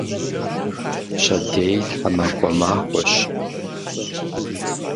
Пщэдей тхьэмахуэ махуэщ.